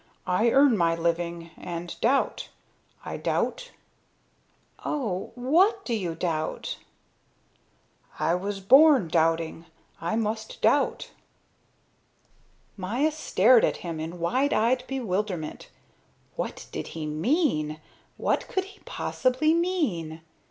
I earn my living, and doubt. I doubt." "Oh! What do you doubt?" "I was born doubting. I must doubt." Maya stared at him in wide eyed bewilderment. What did he mean, what could he possibly mean?